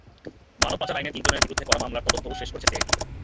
মানব পাচার আইনে তিনজনের বিরুদ্ধে করা মামলার তদন্তও শেষ করেছে সিআইডি।